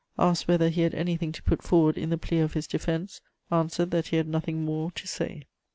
"Asked whether he had anything to put forward in the plea of his defense; answered that he had nothing more to say.